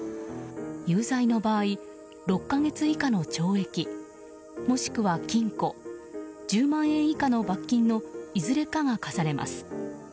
有罪の場合、６か月以下の懲役もしくは禁錮１０万円以下の罰金のいずれかが課されます。